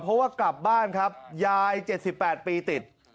เพราะว่ากลับบ้านครับยาย๗๘ปีติด